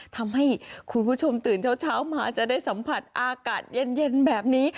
ทำให้คุณผู้ชมตื่นเช้ามาจะได้สัมผัสอากาศเย็นแบบนี้